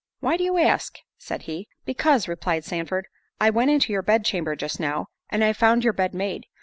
"Why do you ask!" said he. "Because," replied Sandford, "I went into your bed chamber just now, and I found your bed made.